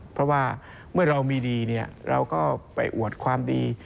เพราะว่าเมื่อเรามีดีเราก็ไปอวดความดี